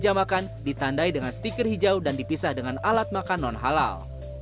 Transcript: dan yang dimakan ditandai dengan stiker hijau dan dipisah dengan alat makan non halal